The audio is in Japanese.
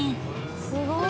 すごい。